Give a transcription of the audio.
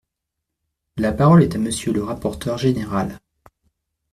La parole est à Monsieur le rapporteur général.